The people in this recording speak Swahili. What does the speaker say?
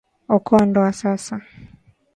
Okoa ndoa sasa